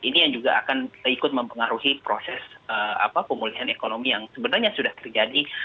ini yang juga akan ikut mempengaruhi proses pemulihan ekonomi yang sebenarnya sudah terjadi